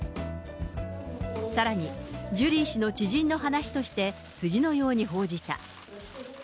さらに、ジュリー氏の知人の話として、次のように報じた。